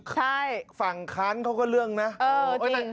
ใช่ฟังค้านเขาก็เรื่องนะเออจริง